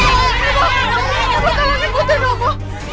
ibu ibu tolong ibu tolong ibu